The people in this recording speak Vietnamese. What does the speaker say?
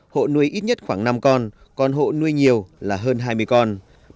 hộ nuôi ít nhất khoảng năm con còn hộ nuôi nhiều là hơn hai mươi con